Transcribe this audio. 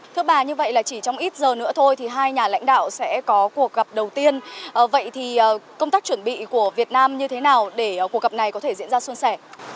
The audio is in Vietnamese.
thưa bà như vậy là chỉ trong ít giờ nữa thôi thì hai nhà lãnh đạo sẽ có cuộc gặp đầu tiên vậy thì công tác chuẩn bị của việt nam như thế nào để cuộc gặp này có thể diễn ra xuân sẻ